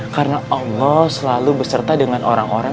karena allah selalu beserta dengan orang orang